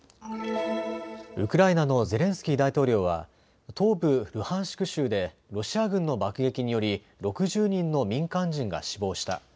ウクライナのゼレンスキー大統領は東部ルハンシク州でロシア軍の爆撃により６０人の民間人が死亡した。